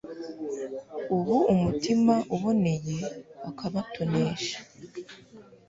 ab'umutima uboneye akabatonesha